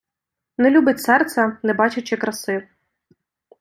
Не любить серце, не бачачи краси.